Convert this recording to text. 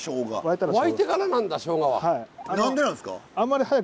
何でなんですか？